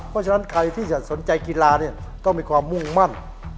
เพราะฉะนั้นใครที่จะสนใจกีฬาเนี่ย